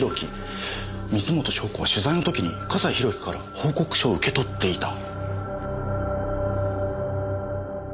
水元湘子は取材の時に笠井宏樹から報告書を受け取っていた。